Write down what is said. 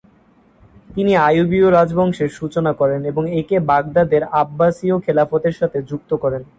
তিনি আইয়ুবীয় রাজবংশের সূচনা করেন এবং একে বাগদাদের আব্বাসীয় খিলাফতের সাথে যুক্ত করেন।